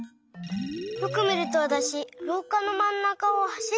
よくみるとわたしろうかのまん中をはしってる。